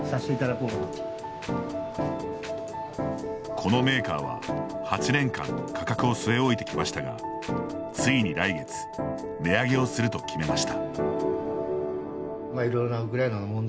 このメーカーは８年間価格を据え置いてきましたがついに来月値上げをすると決めました。